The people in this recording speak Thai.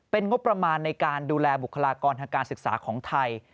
เป็นงบประมาณในการดูแลบุคลากรทางการศึกษาของไทย